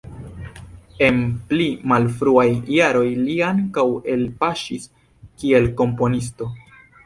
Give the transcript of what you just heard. En pli malfruaj jaroj li ankaŭ elpaŝis kiel komponisto.